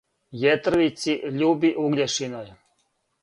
Јетрвици, љуби Угљешиној: